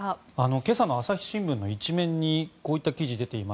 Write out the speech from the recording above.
今朝の朝日新聞の１面にこうした記事が出ていて。